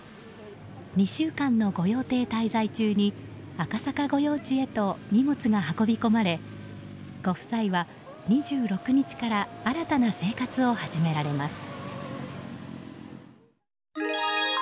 ２週間の御用邸滞在中に赤坂御用地へと荷物が運び込まれご夫妻は、２６日から新たな生活を始められます。